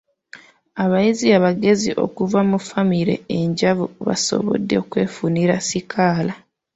Abayizi abagezi okuva mu ffamire enjavu basobodde okwefunira sikaala.